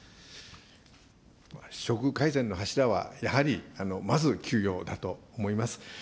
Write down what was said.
処遇改善の柱は、やはりまず給料だと思います。